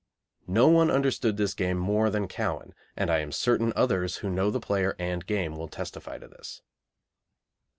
No one understood this game more than Cowan, and I am certain others who know the player and game will testify to this.